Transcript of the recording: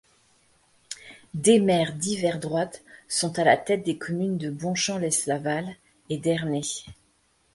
Des maires divers droite sont à la tête des communes de Bonchamp-lès-Laval et d'Ernée.